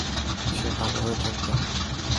সে ভালো থাকবে।